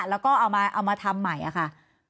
แล้วก็เอามาทำใหม่ค่ะ